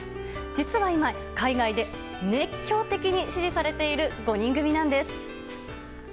実は今、海外で熱狂的に支持されている５人組なんです。